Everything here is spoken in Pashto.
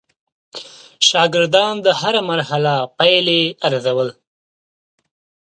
شاګردان د هره مرحله پایلې ارزول.